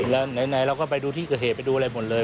แล้วไหนเราก็ไปดูที่เกิดเหตุไปดูอะไรหมดเลย